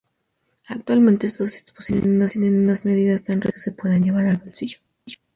Actualmente estos dispositivos tienen unas medidas tan reducidas que se pueden llevar al bolsillo.